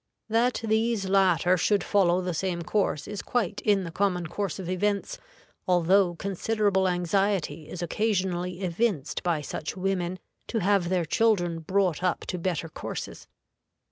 That these latter should follow the same course is quite in the common course of events, although considerable anxiety is occasionally evinced by such women to have their children brought up to better courses.